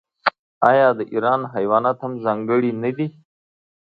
آیا د ایران حیوانات هم ځانګړي نه دي؟